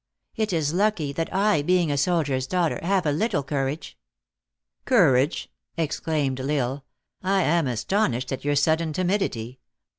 It is lucky that I, being a soldier s daughter, have a lit tle courage." " Courage !" exclaimed L Isle, " I am astonished at your sudden timidity.